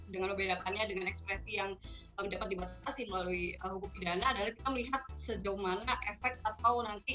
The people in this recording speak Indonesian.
dengan membedakannya dengan ekspresi yang dapat dibatasi melalui hukum pidana adalah kita melihat sejauh mana efek atau nanti